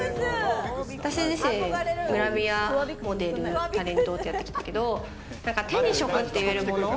私自身グラビアモデル、タレントやってきて手に職っていえるもの。